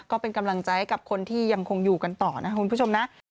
ก็เป็นกำลังใจให้กับคนที่ยังคงอยู่กันต่อนะคุณผู้ชมนะ